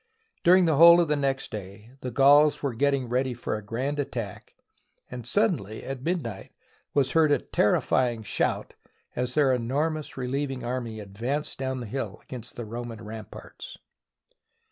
During the whole of the next day the Gauls were getting ready for a grand attack, and, sud denly, at midnight, was heard a terrifying shout as their enormous relieving army advanced down hill against the Roman ramparts.